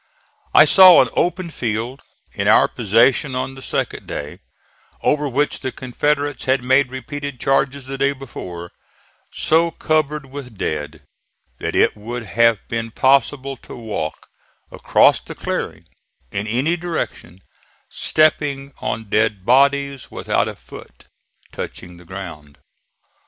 I saw an open field, in our possession on the second day, over which the Confederates had made repeated charges the day before, so covered with dead that it would have been possible to walk across the clearing, in any direction, stepping on dead bodies, without a foot touching the ground.